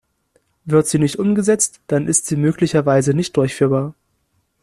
Wird sie nicht umgesetzt, dann ist sie möglicherweise nicht durchführbar.